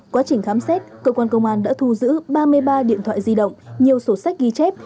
quá trình khám xét cơ quan công an đã thu giữ ba mươi ba điện thoại di động nhiều sổ sách ghi chép